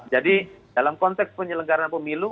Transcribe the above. dalam konteks penyelenggara pemilu